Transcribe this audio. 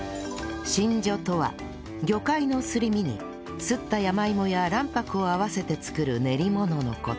しんじょとは魚介のすり身にすった山芋や卵白を合わせて作る練り物の事